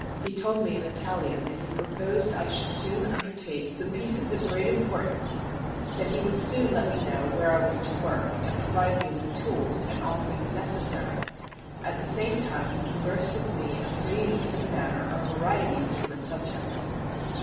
He told me in Italian that he proposed I should soon undertake some 228 KING FRANCIS I AND THE GOLDSMITH pieces of great importance; that he would soon let me know where I was to work, and provide me with tools and all things necessary; at the same time he conversed with me in a free and easy manner, on a variety of dif ferent subjects.